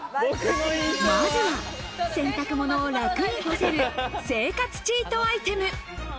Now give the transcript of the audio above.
まずは、洗濯物を楽に干せる生活チートアイテム。